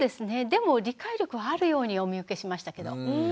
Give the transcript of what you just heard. でも理解力あるようにお見受けしましたけど。